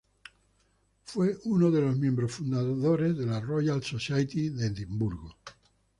Fue uno de los miembros fundadores de la "Royal Society of Edinburgh".